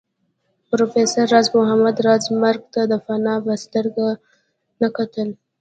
پروفېسر راز محمد راز مرګ ته د فناء په سترګه نه کتل